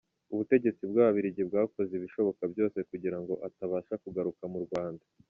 Ubutegetsi bw’ababirigi bwakoze ibishoboka byose kugira ngo atabasha kugaruka mu Rwanda.